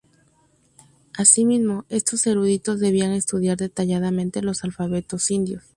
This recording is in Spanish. Asimismo, estos eruditos debían estudiar detalladamente los alfabetos indios.